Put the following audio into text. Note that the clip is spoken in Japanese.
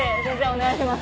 お願いします。